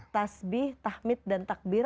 tasbih tahmid dan takbir